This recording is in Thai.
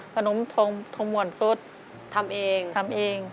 ขนมทงหม่วนซุดทำเองทำเอง